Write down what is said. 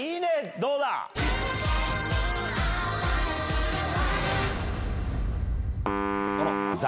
どうだ？え！